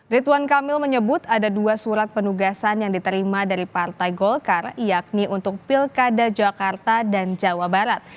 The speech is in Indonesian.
rituan kamil menyebut ada dua surat penugasan yang diterima dari partai golkar yakni untuk pilkada jakarta dan jawa barat